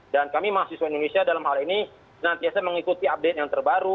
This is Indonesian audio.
dan kami mahasiswa indonesia dalam hal ini senantiasa mengikuti update yang terbaru